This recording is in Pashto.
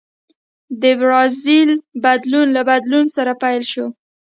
د برازیل بدلون له بدلون سره پیل شو.